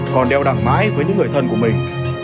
còn đeo đẳng mãi với những người thân của mình